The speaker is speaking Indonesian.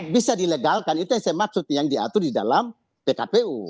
bisa dilegalkan itu yang saya maksud yang diatur di dalam pkpu